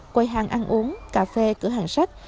quay hàng ăn uống cà phê cửa hàng sách